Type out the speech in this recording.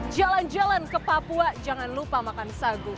jalan jalan ke papua jangan lupa makan sagu